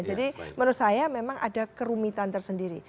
menurut saya memang ada kerumitan tersendiri